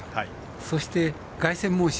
そして、凱旋門賞